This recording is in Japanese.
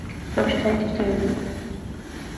これを主体的という。